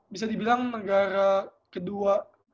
bisa dibilang negara kedua